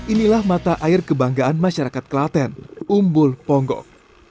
inilah mata air kebanggaan masyarakat klaten umbul ponggok